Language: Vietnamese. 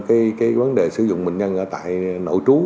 cái vấn đề sử dụng bệnh nhân ở tại nội trú